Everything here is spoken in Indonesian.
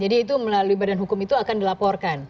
jadi itu melalui badan hukum itu akan dilaporkan